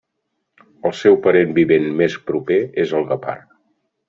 El seu parent vivent més proper és el guepard.